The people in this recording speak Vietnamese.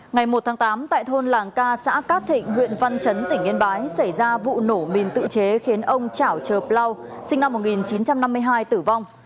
ngày một tháng tám tại thôn làng ca xã cát thịnh huyện văn chấn tỉnh yên bái xảy ra vụ nổ mìn tự chế khiến ông trảo trờ bloo sinh năm một nghìn chín trăm năm mươi hai tử vong